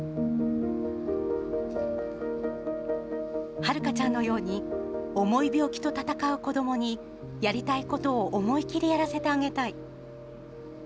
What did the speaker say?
はるかちゃんのように、重い病気と闘う子どもに、やりたいことを思い切りやらせてあげたい。